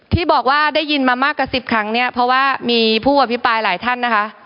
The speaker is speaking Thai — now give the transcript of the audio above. ที่บอกว่าได้ยินมามากกว่า๑๐ครั้งเพราะว่ามีผู้อภิปรายหลายท่าน